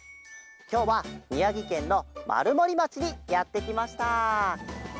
きょうはみやぎけんのまるもりまちにやってきました。